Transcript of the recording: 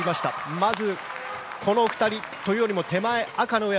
まずこの２人というより手前、赤のウェア